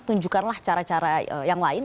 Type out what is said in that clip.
tunjukkanlah cara cara yang lain